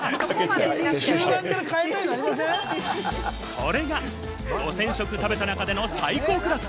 これが５０００食、食べた中での最高クラス。